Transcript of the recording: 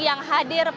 yang hadir di indonesia